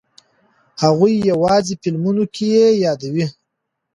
هغوی یوازې فلمونو کې یې یادوي.